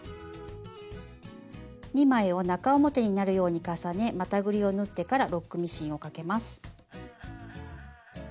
２枚を中表になるように重ねまたぐりを縫ってからロックミシンをかけます。